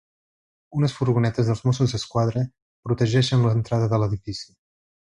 Unes furgonetes dels mossos d’esquadra protegeixen l’entrada de l’edifici.